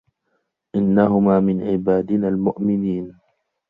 إِنَّهُما مِن عِبادِنَا المُؤمِنينَ